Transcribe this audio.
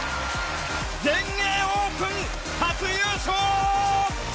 全英オープン、初優勝！